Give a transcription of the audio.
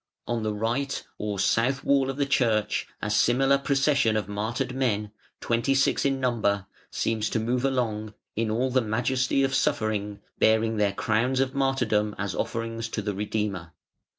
] On the right, or south wall of the church, a similar procession of martyred men, twenty six in number, seems to move along, in all the majesty of suffering, bearing their crowns of martyrdom as offerings to the Redeemer.